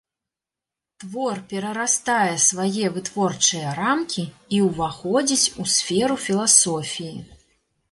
Твор перарастае свае вытворчыя рамкі і ўваходзіць у сферу філасофіі.